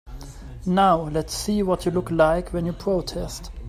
Now let's see what you look like when you protest.